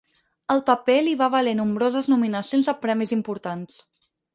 El paper li va valer nombroses nominacions a premis importants.